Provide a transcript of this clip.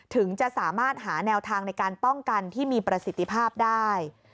ถึงจะสามารถหาแนวทางในการป้องกันที่มีประสิทธิภาพได้